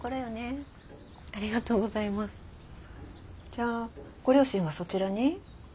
じゃあご両親はそちらに？